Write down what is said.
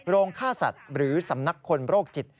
โรงฆ่าสัตว์หรือสำนักคนโรคจิต